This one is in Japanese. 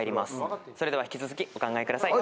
それでは引き続きお考えください。